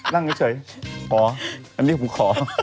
นั่งเฉยขออันนี้ผมขอ